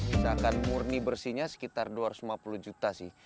misalkan murni bersihnya sekitar dua ratus lima puluh juta sih